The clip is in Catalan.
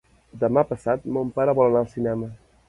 Demà passat mon pare vol anar al cinema.